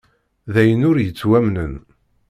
D ayen ur yettwamnen!